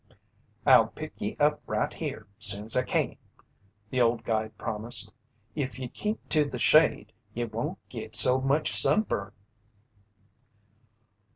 "I'll pick ye up right here, soon's I can," the old guide promised. "If ye keep to the shade, ye won't git so much sunburn."